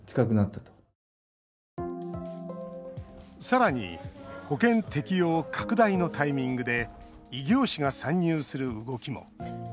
さらに保険適用拡大のタイミングで異業種が参入する動きも。